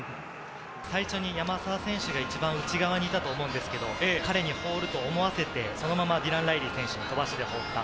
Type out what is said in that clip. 最初に山沢選手が一番内側にいたと思うんですけど、彼に放ると思わせて、そのままディラン・ライリー選手に飛ばしてほった。